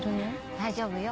大丈夫よ。